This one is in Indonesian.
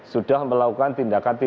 sudah melakukan tindakan tindakan efesif